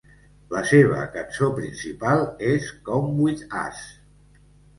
La seva cançó principal és "Come with Us".